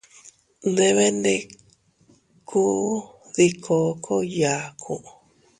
Nndeeebee nndikunn dii kookoy yaaku.